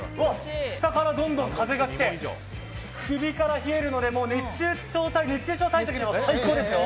下からどんどん風が来て首から冷えるので熱中症対策には最高ですよ！